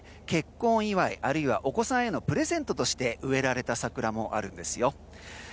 結婚祝い、あるいはお子さんへのプレゼントとして植えられた桜もあるんですよ。